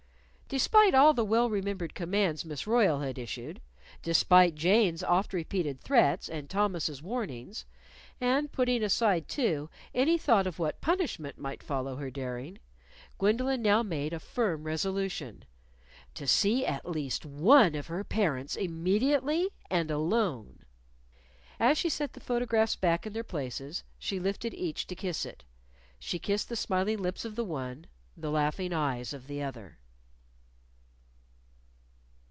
Despite all the well remembered commands Miss Royle had issued; despite Jane's oft repeated threats and Thomas's warnings, [and putting aside, too, any thought of what punishment might follow her daring] Gwendolyn now made a firm resolution: To see at least one of her parents immediately and alone. As she set the photographs back in their places, she lifted each to kiss it. She kissed the smiling lips of the one, the laughing eyes of the other.